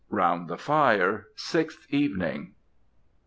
'" ROUND THE FIRE. SIXTH EVENING.